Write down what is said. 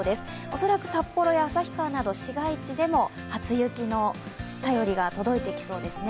恐らく札幌や旭川など市街地でも初雪の便りが届いてきそうですね。